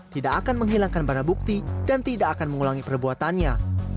tidak akan menghilangkan barang bukti dan tidak akan mengulangi perbuatannya